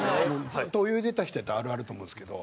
ずっと泳いでた人やったらあるあると思うんですけど。